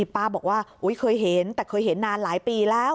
ป้าบอกว่าเคยเห็นแต่เคยเห็นนานหลายปีแล้ว